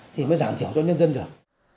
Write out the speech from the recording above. thì mới giảm thiểu cho nhân dân được